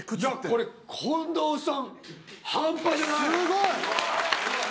これ近藤さん半端じゃない！